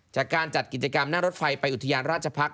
จากการจัดกิจกรรมหน้ารถไฟไปอุทยานราชพักษ